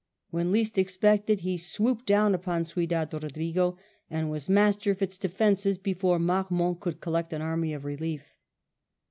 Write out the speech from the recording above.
When least expected he swooped down upon Ciudad Eodrigo, and was master of its defences before Marmont could collect an army of relief.